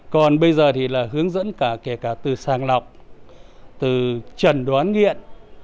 còn bây giờ thì là hướng dẫn kể cả từ sàng lọc từ trần đoán nghiện